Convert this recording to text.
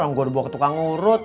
orang gue udah bawa ke tukang urut